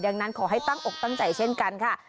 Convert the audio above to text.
ดังนั้นขอให้ตั้งอกตั้งใจเช่นกันค่ะ